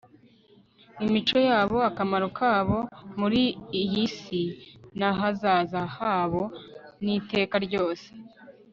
imico yabo, akamaro kabo muri iyi si, n'ahazaza habo h'iteka ryose